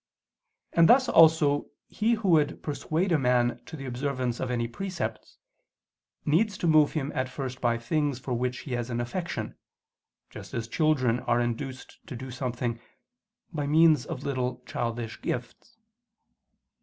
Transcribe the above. And thus also he who would persuade a man to the observance of any precepts, needs to move him at first by things for which he has an affection; just as children are induced to do something, by means of little childish gifts.